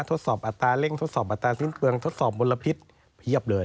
ทดสอบอัตราเร่งทดสอบอัตราฟื้นเครื่องทดสอบมลพิษเพียบเลย